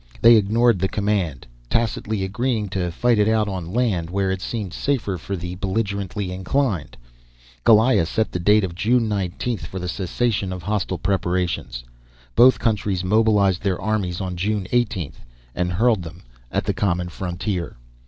They ignored the command, tacitly agreeing to fight it out on land where it seemed safer for the belligerently inclined. Goliah set the date of June 19 for the cessation of hostile preparations. Both countries mobilized their armies on June 18, and hurled them at the common frontier.